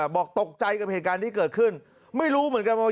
บอกตกใจกับเหตุการณ์ที่เกิดขึ้นไม่รู้เหมือนกันว่า